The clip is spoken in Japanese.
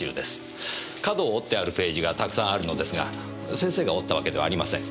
角を折ってあるページがたくさんあるのですが先生が折ったわけではありません。